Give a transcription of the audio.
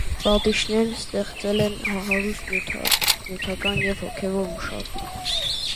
Լատիշներն ստեղծել են հարուստ նյութական և հոգևոր մշակույթ։